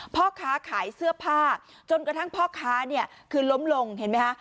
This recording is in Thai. พ่อค้าขายเสื้อผ้าจนกระทั่งพ่อค้าเนี่ยคือล้มลงเห็นไหมคะ